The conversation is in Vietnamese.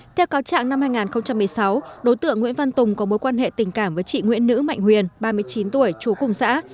theo cáo trạng năm hai nghìn một mươi sáu đối tượng nguyễn văn tùng có mối quan hệ tình cảm với chị nguyễn nữ mạnh huyền ba mươi chín tuổi trú cùng xã